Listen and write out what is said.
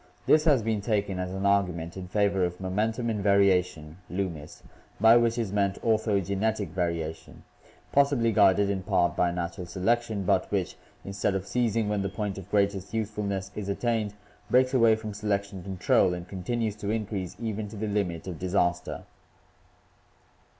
This has been taken as an argument in favor of momentum in variation (Loomis), by which is meant ortho genetic variation, possibly guided in part by natural selection, but which, instead of ceasing when the point of greatest usefulness is attained, breaks away from selection control and continues to increase even to the limit of disaster.